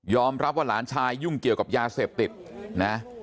รับว่าหลานชายยุ่งเกี่ยวกับยาเสพติดนะ